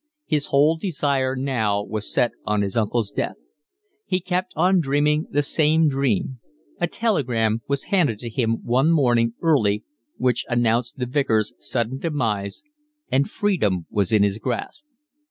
His whole desire now was set on his uncle's death. He kept on dreaming the same dream: a telegram was handed to him one morning, early, which announced the Vicar's sudden demise, and freedom was in his grasp.